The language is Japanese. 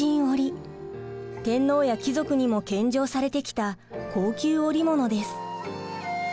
天皇や貴族にも献上されてきた高級織物です。